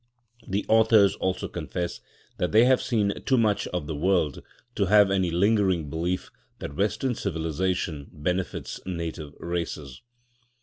The authors also confess that they have seen too much of the world "to have any lingering belief that Western civilisation benefits native races."